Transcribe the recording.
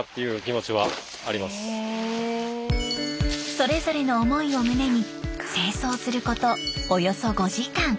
それぞれの思いを胸に清掃することおよそ５時間。